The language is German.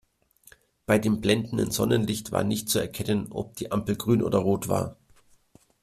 Bei dem blendenden Sonnenlicht war nicht zu erkennen, ob die Ampel grün oder rot war.